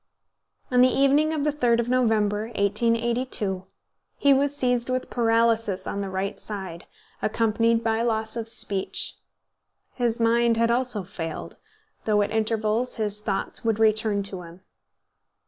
On the evening of the 3d of November, 1882, he was seized with paralysis on the right side, accompanied by loss of speech. His mind also had failed, though at intervals his thoughts would return to him.